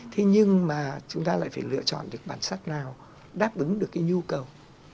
thế nhưng mà chúng ta lại phải lựa chọn được bản sắc nào đáp ứng được cái nhu cầu